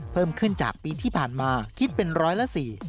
เพิ่มขึ้นจากปีที่ผ่านมาคิดเป็นร้อยละ๔